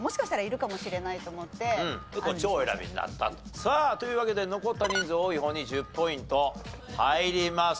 さあというわけで残った人数多い方に１０ポイント入ります。